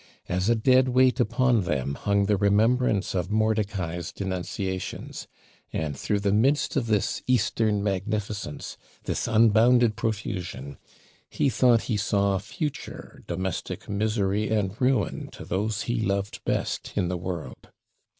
As a dead weight upon them hung the remembrance of Mordicai's denunciations; and, through the midst of this Eastern magnificence, this unbounded profusion, he thought he saw future domestic misery and ruin to those he loved best in the world.